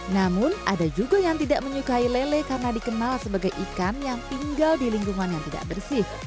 namun ada juga yang tidak menyukai lele karena dikenal sebagai ikan yang tinggal di lingkungan yang tidak bersih